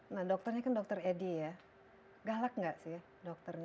nah dokternya kan dokter edi ya galak gak sih dokternya